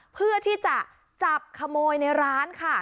เพื่อที่จะจับขโมยในร้านค่ะ